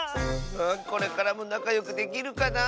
これからもなかよくできるかなあ。